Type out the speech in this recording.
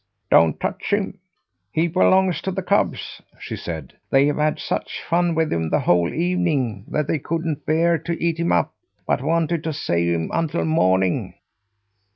"Don't touch him! He belongs to the cubs," she said. "They have had such fun with him the whole evening that they couldn't bear to eat him up, but wanted to save him until morning."